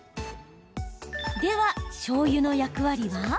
では、しょうゆの役割は？